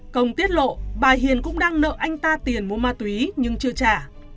công tiết lộ bà hiền cũng đang nợ anh ta tiền mua ma túy nhưng chưa trả